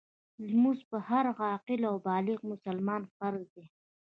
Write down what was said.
لمونځ په هر عاقل او بالغ مسلمان فرض دی .